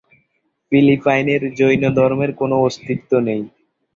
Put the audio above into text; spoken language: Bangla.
ফিলিপাইনে জৈনধর্মের কোনও অস্তিত্ব নেই।